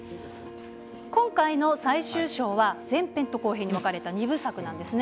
今回の最終章は、前編と後編に分かれた、２部作なんですね。